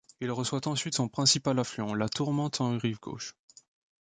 Il reçoit ensuite son principal affluent, la Tourmente en rive gauche.